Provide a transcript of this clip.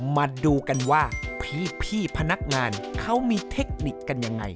มาดูกันว่าพี่พนักงานเขามีเทคนิคกันยังไง